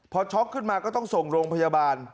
พอช็อกขึ้นมาก็ต้องส่งโรงพยาบาล